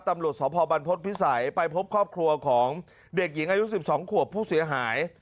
ตำรวจสพบรรพฤษภิษัยไปพบครอบครัวของเด็กหญิงอายุ๑๒ขวบผู้เสียหาย